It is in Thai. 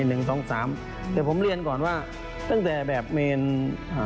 หนึ่งสองสามแต่ผมเรียนก่อนว่าตั้งแต่แบบเมนอ่า